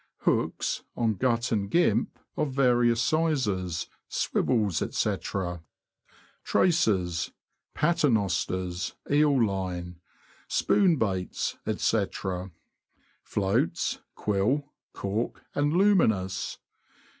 Hooks, on gut and gimp, of various sizes. Swivels, &c. Traces. Paternosters, eel line. Spoon baits, &c. Floats — quill, cork, and luminous.